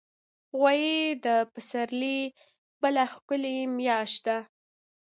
غویی د پسرلي بله ښکلي میاشت ده.